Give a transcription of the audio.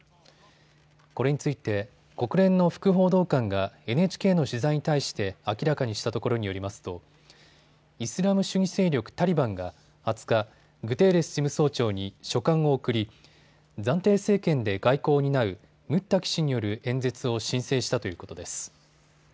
これについて国連の副報道官がＮＨＫの取材に対して明らかにしたところによりますとイスラム主義勢力タリバンが２０日、グテーレス事務総長に書簡を送り暫定政権で外交を担うムッタキ氏による演説を申請したということです。